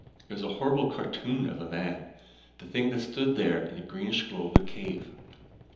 It was a horrible cartoon of a man, the thing that stood there in the greenish glow of the cave.